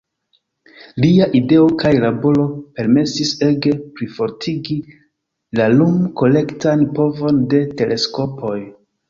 Lia ideo kaj laboro permesis ege plifortigi la lum-kolektan povon de teleskopoj.